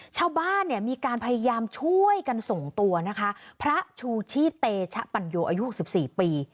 ชาวบ้านเนี่ยมีการพยายามช่วยกันส่งตัวนะคะพระชูชีพเตชะปัญโยอายุ๖๔ปี